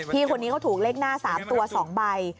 พี่คนนี้เขาถูกเลขหน้า๓ตัว๒ใบ